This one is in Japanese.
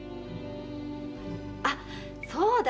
あそうだ！